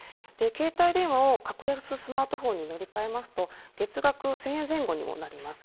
携帯電話を格安スマートフォンに乗り換えますと、月額１０００円前後にもなります。